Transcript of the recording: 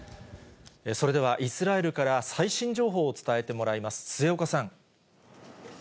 それでは、イスラエルから最新情報を伝えてもらいます。